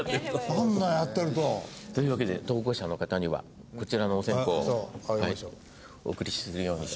あんなやってると。というわけで投稿者の方にはこちらのお線香をお贈りするようにします。